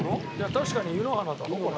確かに湯の花だろ？